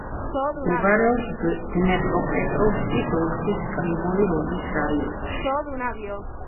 მდებარეობს დნეპროპეტროვსკის ოლქის კრივოი-როგის რაიონში.